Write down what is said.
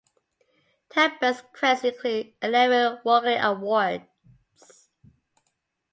Tandberg's credits include eleven Walkley Awards.